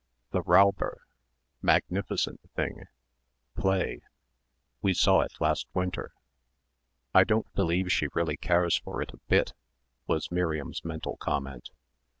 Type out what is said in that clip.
"'The Räuber.' Magnificent thing. Play. We saw it last winter." "I don't believe she really cares for it a bit," was Miriam's mental comment.